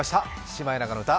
「シマエナガの歌」